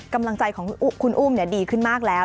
กำลังใจของคุณอุ้มดีขึ้นมากแล้ว